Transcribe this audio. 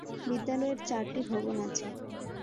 বিদ্যালয়ের চারটি ভবন আছে।